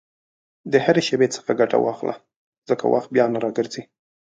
د هرې شېبې څخه ګټه واخله، ځکه وخت بیا نه راګرځي.